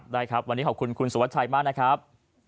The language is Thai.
ได้ครับวันนี้ขอบคุณคุณสุวัชชัยมากนะครับ